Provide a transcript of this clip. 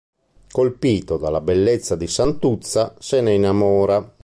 Colpito dalla bellezza di Santuzza, se ne innamora.